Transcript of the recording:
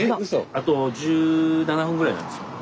あと１７分ぐらいなんですよ。